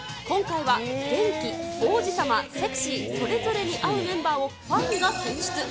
今回は元気、王子様、セクシー、それぞれに合うメンバーをファンが選出。